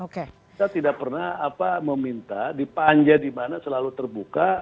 kita tidak pernah meminta di panja dimana selalu terbuka